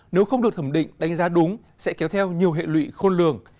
nếu không được thẩm định đánh giá đúng sẽ kéo theo nhiều hệ lụy khôn lường